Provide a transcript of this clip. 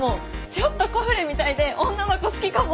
ちょっとコフレみたいで女の子好きかも。